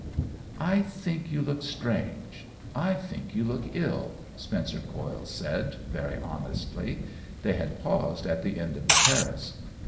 "I think you look strange — I think you look ill," Spencer Coyle said, very honestly. They had paused at the end of the terrace.